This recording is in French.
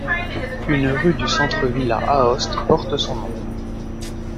Une rue du centre ville à Aoste porte son nom.